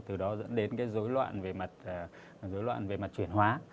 từ đó dẫn đến cái dối loạn về mặt dối loạn về mặt chuyển hóa